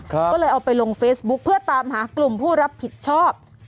ก็เลยเอาไปลงเฟซบุ๊คเพื่อตามหากลุ่มผู้รับผิดชอบ